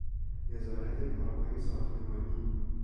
نظارت کارهای ساختمانی